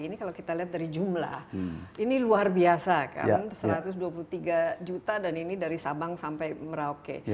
ini kalau kita lihat dari jumlah ini luar biasa kan satu ratus dua puluh tiga juta dan ini dari sabang sampai merauke